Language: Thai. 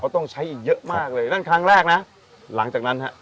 ต้องใช้อีกเยอะมากเลยนั่นครั้งแรกนะหลังจากนั้นฮะ